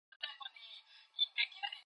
자, 추운데 이 아래로 쑥 내려오시지요.